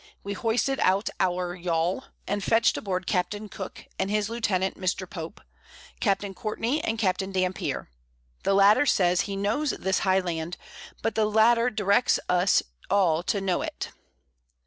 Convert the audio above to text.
We hoisted out our Yawl, and fetch'd aboard Capt. Cooke, and his Lieutenant Mr. Pope, Capt. Courtney and Capt. Dampier; the latter says he knows this high Land; but the Latt. directs us all to know it.